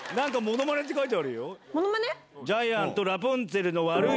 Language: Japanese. ものまね？